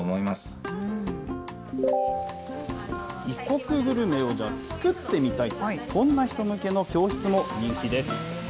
異国グルメを作ってみたい、そんな人向けの教室も人気です。